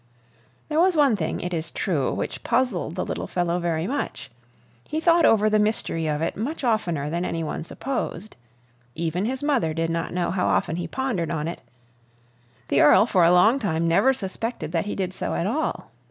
There was one thing, it is true, which puzzled the little fellow very much. He thought over the mystery of it much oftener than any one supposed; even his mother did not know how often he pondered on it; the Earl for a long time never suspected that he did so at all.